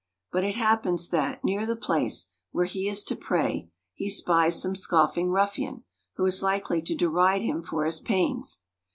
But it happens that, near the place where he is to pray, he spies some scoffing ruffian, who is likely to dei ide him for his pEdns.